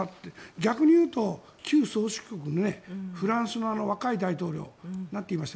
逆に言うと旧宗主国のフランスの若い大統領なんていいました？